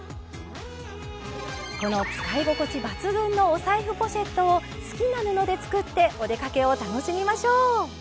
この使い心地抜群のお財布ポシェットを好きな布で作ってお出かけを楽しみましょう。